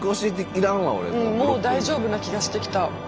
もう大丈夫な気がしてきた。